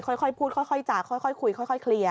ค่อยพูดค่อยจาค่อยคุยค่อยเคลียร์